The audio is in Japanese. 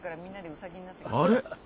あれ？